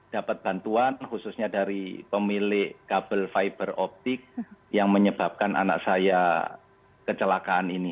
dapat bantuan khususnya dari pemilik kabel fiber optik yang menyebabkan anak saya kecelakaan ini